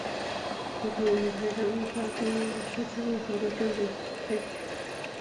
吉伦特派是在立法议会时期建立的一个温和的政治派别。